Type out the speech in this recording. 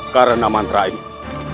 karena mantra ini